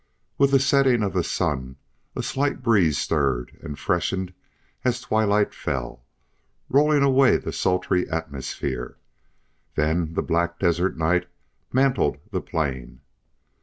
With the setting of the sun a slight breeze stirred, and freshened as twilight fell, rolling away the sultry atmosphere. Then the black desert night mantled the plain.